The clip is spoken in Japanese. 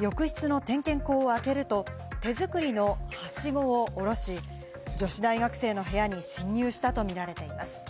浴室の点検口開けると手づくりのはしごを下し、女子大学生の部屋に侵入したとみられています。